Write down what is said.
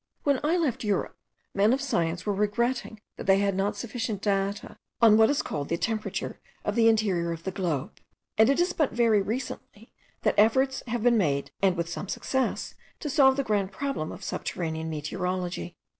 When I left Europe, men of science were regretting that they had not sufficient data on what is called the temperature of the interior of the globe; and it is but very recently that efforts have been made, and with some success, to solve the grand problem of subterranean meteorology.